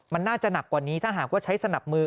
มันน่าจะหนักกว่านี้ถ้าหากว่าใช้สนับมือ